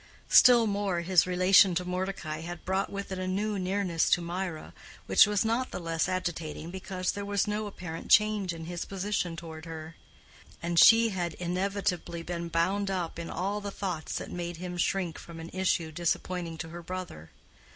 Still more, his relation to Mordecai had brought with it a new nearness to Mirah which was not the less agitating because there was no apparent change in his position toward her; and she had inevitably been bound up in all the thoughts that made him shrink from an issue disappointing to her brother.